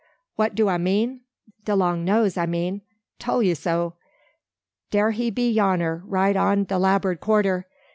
"Wha do a mean? de long nose a mean. Tole ye so! dar he be yonner, right on de la'bord quarter.